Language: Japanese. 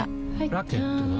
ラケットは？